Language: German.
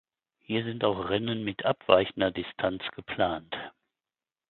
Hier sind auch Rennen mit abweichender Distanz geplant.